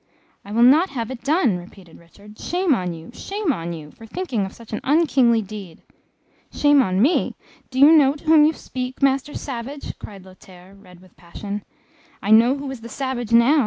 "I will not have it done!" repeated Richard. "Shame on you, shame on you, for thinking of such an unkingly deed." "Shame on me! Do you know to whom you speak, master savage?" cried Lothaire, red with passion. "I know who is the savage now!"